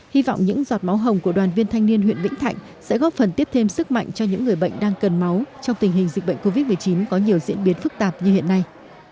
hy vọng những giọt máu hồng của đoàn viên thanh niên huyện vĩnh thạnh sẽ góp phần tiếp thêm sức mạnh cho những người bệnh đang cần máu trong tình hình dịch bệnh covid một mươi chín có nhiều diễn biến phức tạp như hiện nay